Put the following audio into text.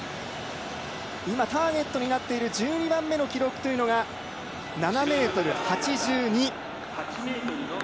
今ターゲットになっている１２番目の記録というのが７ｍ８２。